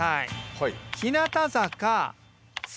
はい。